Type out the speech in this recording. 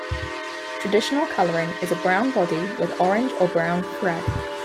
Traditional colouring is a brown body with orange or brown thread.